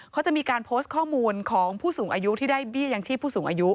เขาจะมีการโพสต์ข้อมูลของผู้สูงอายุที่ได้เบี้ยยังชีพผู้สูงอายุ